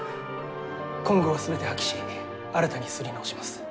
今号は全て破棄し新たに刷り直します。